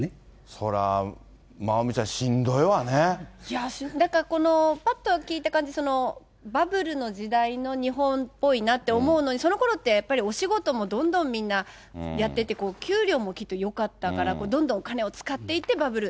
それはまおみちゃん、いやー、だからこのぱっと聞いた感じ、バブルの時代の日本っぽいなって思うのに、そのころってやっぱりお仕事もどんどんみんなやっていって、給料もきっとよかったから、どんどんお金を使っていって、バブル。